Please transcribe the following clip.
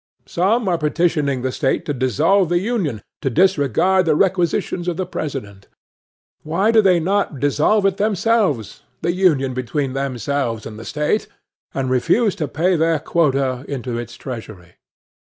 Some are petitioning the State to dissolve the Union, to disregard the requisitions of the President. Why do they not dissolve it themselves,—the union between themselves and the State,—and refuse to pay their quota into its treasury?